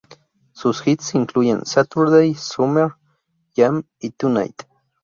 Sus hits incluyen "Saturday", "Summer Jam" y "Tonight".